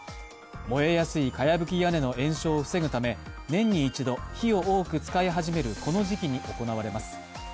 燃えやすいかやぶき屋根の延焼を防ぐため、年に一度、火を多く使い始めるこの時期に行われます。